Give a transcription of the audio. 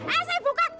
eh saya buka